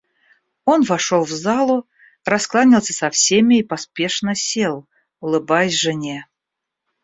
Он вошел в залу, раскланялся со всеми и поспешно сел, улыбаясь жене.